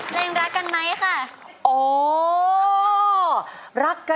ใจรองได้ช่วยกันรองด้วยนะคะ